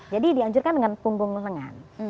jadi dianjurkan dengan punggung lengan